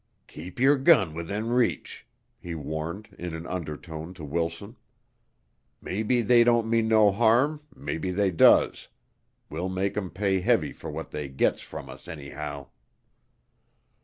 "Keep yer gun within reach," he warned in an undertone to Wilson. "Maybe they don't mean no harm; maybe they does. We'll make 'em pay heavy fer what they gits from us, anyhow."